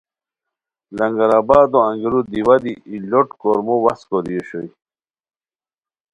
لنگر آبادو انگیرو دیوا دی ای لوٹ کورمو واہڅ کوری اوشوئے